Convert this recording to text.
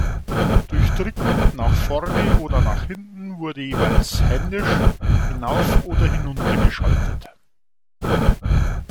Durch Drücken nach vorne oder nach hinten wurde jeweils händisch hinauf oder hinunter geschaltet.